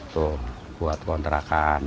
tuh buat kontrakan